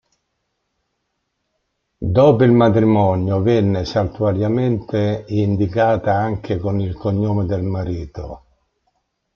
Dopo il matrimonio venne saltuariamente indicata anche con il cognome del marito.